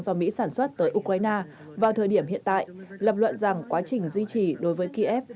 do mỹ sản xuất tới ukraine vào thời điểm hiện tại lập luận rằng quá trình duy trì đối với kiev